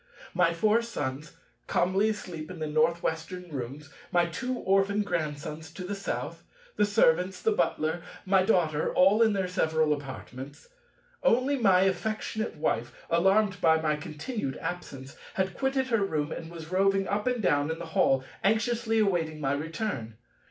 My four Sons calmly asleep in the North Western rooms, my two orphan Grandsons to the South; the Servants, the Butler, my Daughter, all in their several apartments. Only my affectionate Wife, alarmed by my continued absence, had quitted her room and was roving up and down in the Hall, anxiously awaiting my return.